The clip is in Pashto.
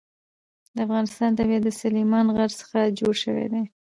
د افغانستان طبیعت له سلیمان غر څخه جوړ شوی دی.